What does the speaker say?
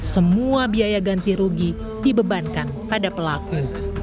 semua biaya ganti rugi dibebankan pada pelaku